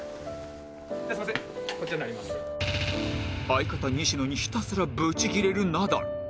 相方西野にひたすらブチギレるナダル